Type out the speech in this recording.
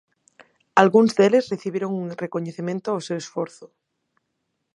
Algúns deles recibiron un recoñecemento ao seu esforzo.